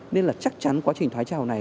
nên là chắc chắn quá trình thoái trào này